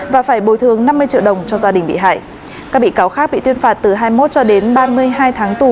và phải bồi thường năm mươi triệu đồng cho gia đình bị hại các bị cáo khác bị tuyên phạt từ hai mươi một cho đến ba mươi hai tháng tù